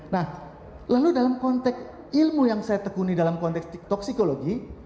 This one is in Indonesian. nah lalu dalam konteks ilmu yang saya tekuni dalam konteks toksikologi